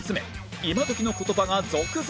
今どきの言葉が続々！